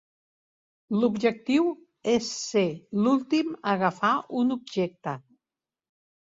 L'objectiu és ser l'últim a agafar un objecte.